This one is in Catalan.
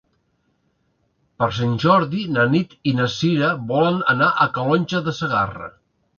Per Sant Jordi na Nit i na Sira volen anar a Calonge de Segarra.